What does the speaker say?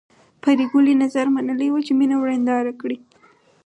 پري ګلې نذر منلی و چې مینه ورېنداره کړي